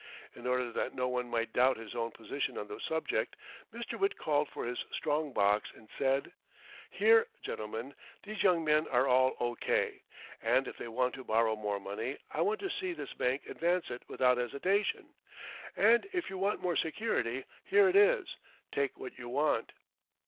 In order that no one might doubt his own position on the subject, Mr. Witt called for his strong box, and said: "Here, gentlemen, these young men are all O.K., and if they want to borrow more money I want to see this bank advance it without hesitation, and if you want more security, here it is; take what you want."